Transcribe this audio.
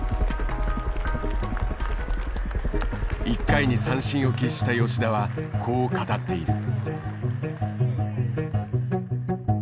１回に三振を喫した吉田はこう語っている。